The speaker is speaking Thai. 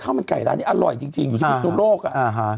ข้้าวบางไก่ร้านนี้อร่อยจริงอยู่ที่พิศนุโลกอะ